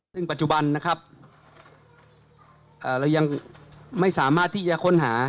ซึ่งปัจจุบันนะครับเรายังไม่สามารถที่จะค้นหา